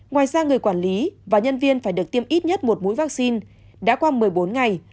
ngoài ra người quản lý và nhân viên phải được tiêm ít nhất một mũi vaccine đã qua một mươi bốn ngày